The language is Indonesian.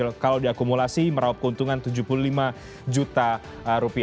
jadi kalau diakumulasi merawap keuntungan rp tujuh puluh lima